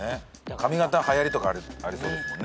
髪型ははやりとかありそうですもんね。